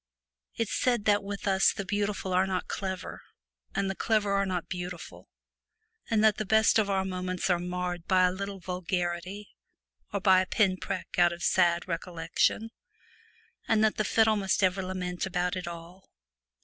It said that with us the beautiful are not clever and the clever are not beautiful, and that the best of our moments are marred by a little vulgarity, or by a pin prick out of sad recollection, and that the fiddle must ever lament about it all.